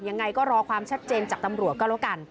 ยังไงก็รอความชัดเจนจากตำรวจก็แล้วกัน